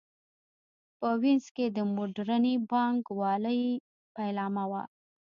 په وینز کې د موډرنې بانک والۍ پیلامه وه.